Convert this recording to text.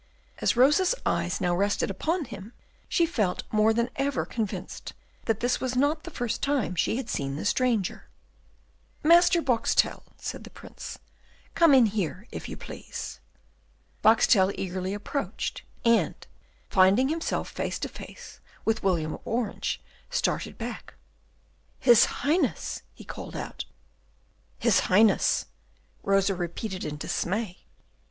As Rosa's eyes now rested upon him, she felt more than ever convinced that this was not the first time she had seen the stranger. "Master Boxtel," said the Prince, "come in here, if you please." Boxtel eagerly approached, and, finding himself face to face with William of Orange, started back. "His Highness!" he called out. "His Highness!" Rosa repeated in dismay.